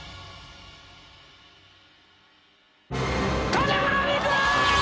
金村美玖！